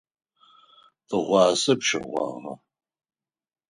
Тыгъуасэ пщэгъуагъэ.